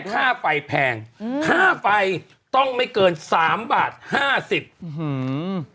ค่าไฟแพงอืมค่าไฟต้องไม่เกินสามบาทห้าสิบอื้อหือ